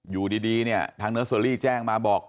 อยู่ดีเนี่ยทางเนอร์เซอรี่แจ้งมาบอก